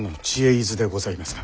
伊豆でございますか？